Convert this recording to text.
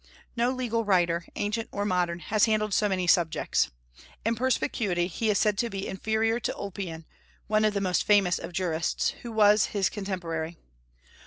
No legal writer, ancient or modern, has handled so many subjects. In perspicuity he is said to be inferior to Ulpian, one of the most famous of jurists, who was his contemporary.